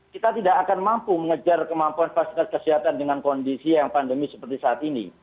kita tidak akan mampu mengejar kemampuan fasilitas kesehatan dengan kondisi yang pandemi seperti saat ini